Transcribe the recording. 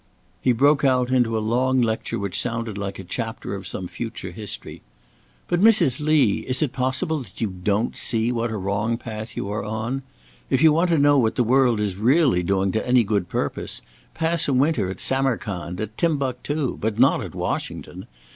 He broke out into a long lecture which sounded like a chapter of some future history: "But Mrs. Lee, is it possible that you don't see what a wrong path you are on. If you want to know what the world is really doing to any good purpose, pass a winter at Samarcand, at Timbuctoo, but not at Washington.